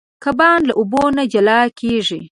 کبان له اوبو نه جلا کېږي.